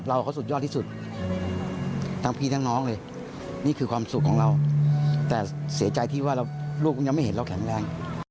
ลองฟังคุณพ่อเล่าหน่อยครับ